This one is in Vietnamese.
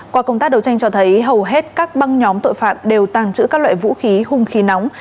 qua công tác đấu tranh cho thấy hầu hết các băng nhóm tội phạm đều tàng trữ các loại vũ khí hung khí nóng